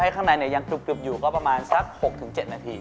ข้างในยังกรุบอยู่ก็ประมาณสัก๖๗นาที